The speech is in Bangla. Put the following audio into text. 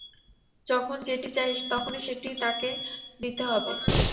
যখন যেটি চায় তখনই সেটি তাকে দিতে হবে।